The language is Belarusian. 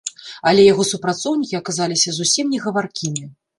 Але яго супрацоўнікі аказаліся зусім негаваркімі.